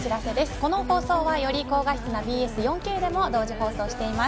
この放送は、より高画質なＢＳ４Ｋでも同時放送しています。